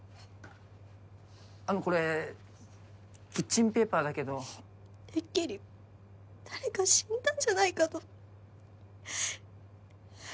あのこれキッチンペーパーだけどてっきり誰か死んだんじゃないかと